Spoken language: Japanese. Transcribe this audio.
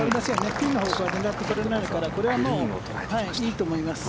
ピンの方向は狙ってこれないからこれはいいと思います。